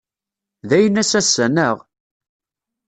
D aynas ass-a, naɣ?